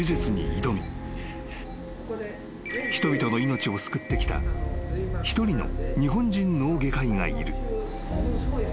［人々の命を救ってきた一人の日本人脳外科医がいる］